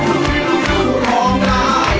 คุณยายแดงคะทำไมต้องซื้อลำโพงและเครื่องเสียง